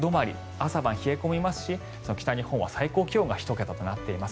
朝晩冷え込みますし北日本は最高気温が１桁となっています。